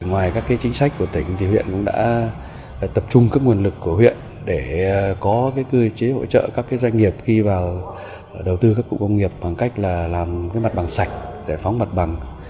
ngoài các chính sách của tỉnh thì huyện cũng đã tập trung các nguồn lực của huyện để có cơ chế hỗ trợ các doanh nghiệp khi vào đầu tư các cụ công nghiệp bằng cách là làm mặt bằng sạch giải phóng mặt bằng